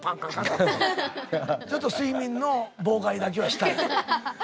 ちょっと睡眠の妨害だけはしたい。